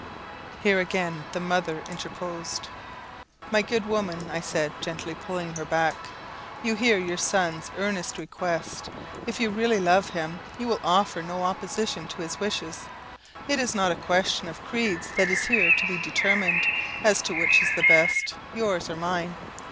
Here the mother again interposed. "My good woman," I said gently putting her back, "you hear your son's earnest request. If you really love him, you will offer no opposition to his wishes. It is not a question of creeds that is here to be determined, as to which is the best yours or mine.